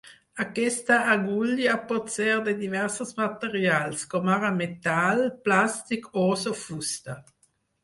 Aquesta agulla pot ser de diversos materials, com ara metall, plàstic, os o fusta.